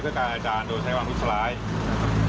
สำหรับหน้าข้อมนำอีกสิทธิภัณฑ์